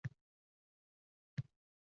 Bog`chaga qo`yib kel, keyin gaplashamiz